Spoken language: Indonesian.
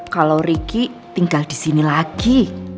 kalau ricky tinggal disini lagi